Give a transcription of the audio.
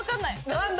何だ？